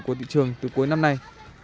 của thị trường từ cuối năm nay